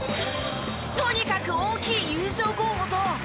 とにかく大きい優勝候補と。